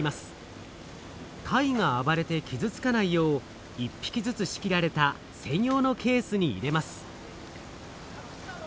タイがあばれてきずつかないよう１匹ずつ仕切られた専用のケースに入れます。